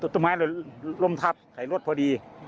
ต้นไม้ลงทับถ่ายรถพอดี